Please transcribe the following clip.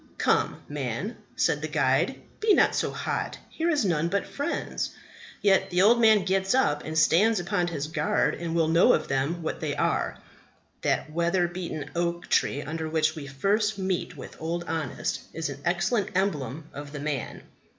Come, man, said the guide, be not so hot; here is none but friends! Yet the old man gets up and stands upon his guard, and will know of them what they are." That weather beaten oak tree under which we first meet with Old Honest is an excellent emblem of the man.